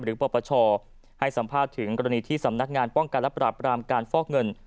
ปปชให้สัมภาษณ์ถึงกรณีที่สำนักงานป้องกันและปราบรามการฟอกเงิน